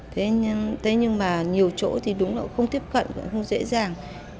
thế nhưng mà nhiều chỗ thì đúng là không tiếp cận không dễ dàng